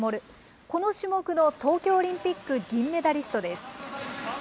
この種目の東京オリンピック銀メダリストです。